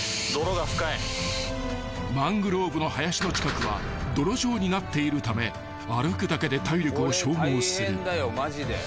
［マングローブの林の近くは泥状になっているため歩くだけで体力を消耗する］